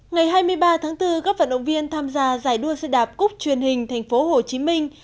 ngày hai mươi ba tháng bốn các vận động viên tham gia giải đua xe đạp cúc truyền hình thành phố hồ chí minh